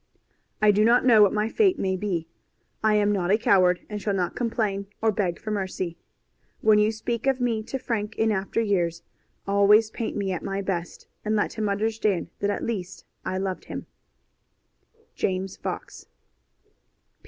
I do not know what my fate may be. I am not a coward, and shall not complain or beg for mercy. When you speak of me to Frank in after years, always paint me at my best, and let him understand that at least I loved him. James Fox.